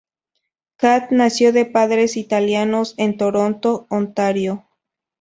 Kath nació de padres italianos en Toronto, Ontario.